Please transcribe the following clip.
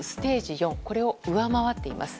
４これを上回っています。